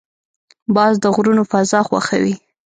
باز د غرونو فضا خوښوي